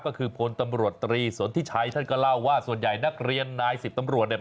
ก็คือพลตำรวจตรีสนทิชัยท่านก็เล่าว่าส่วนใหญ่นักเรียนนายสิบตำรวจเนี่ย